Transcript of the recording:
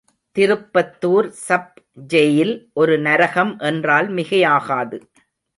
Tirupattur sub jail ஒரு நரகம் என்றால் மிகையாகாது.